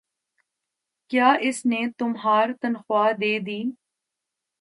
۔کیا اس نے تمہار تنخواہ دیدی؟